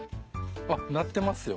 あっなってますよ